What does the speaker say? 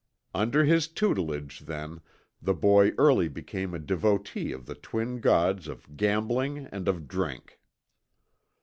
Under his tutelage, then, the boy early became a devotee of the twin gods of gambling and of drink.